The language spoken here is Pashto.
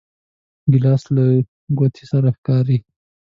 ګیلاس له ګوتمې سره ښکاري.